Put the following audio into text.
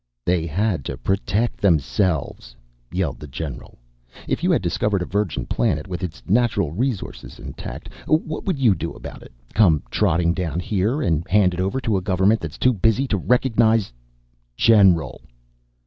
"They had to protect themselves!" yelled the general. "If you had discovered a virgin planet with its natural resources intact, what would you do about it? Come trotting down here and hand it over to a government that's too 'busy' to recognize " "General!"